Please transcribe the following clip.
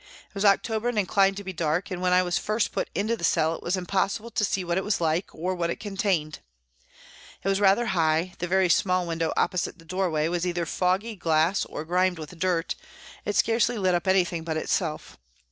It was October and inclined to be dark, and when I was first put into the cell it was impossible to see what it was like or what it contained. It was rather high, the very small window opposite the doorway was either of foggy glass or grimed with dirt, it scarcely lit up anything but itself.